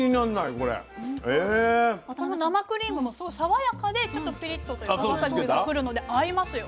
この生クリームもすごく爽やかでちょっとピリッというかわさびがくるので合いますよ。